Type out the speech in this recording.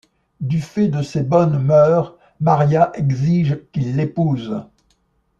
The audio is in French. Du fait de ses bonnes mœurs, Maria exige qu'il l'épouse.